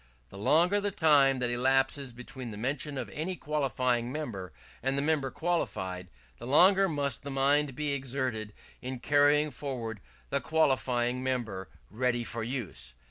The longer the time that elapses between the mention of any qualifying member and the member qualified, the longer must the mind be exerted in carrying forward the qualifying member ready for use.